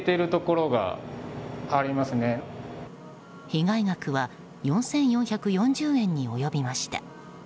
被害額は４４４０円に及びました。